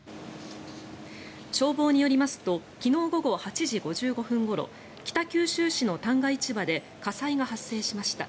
消防によりますと昨日午後８時５５分ごろ北九州市の旦過市場で火災が発生しました。